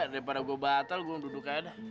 daripada gue batal gue duduk keadaan